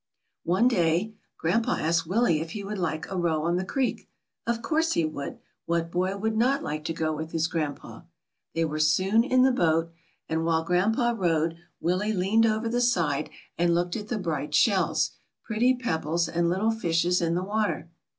One day grandpa asked Willie if he would like a row on the creek. Of course he would. What boy would not like to go with his grandpa? They were soon in the boat, and while 176 WILLIE'S VISIT TO THE SEASHORE. grandpa rowed, Willie leaned over the side and looked at the bright shells, pretty peb bles, and little fishes in the water.